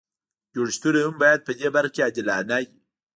جوړښتونه هم باید په دې برخه کې عادلانه وي.